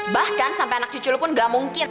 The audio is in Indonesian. bahkan sampe anak cucu lo pun gak mungkin